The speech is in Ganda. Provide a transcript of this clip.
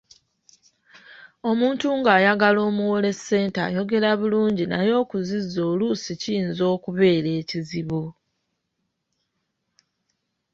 Omuntu ng’ayagala omuwole ssente ayogera bulungi naye okuzizza oluusi kiyinza okubeera ekizibu.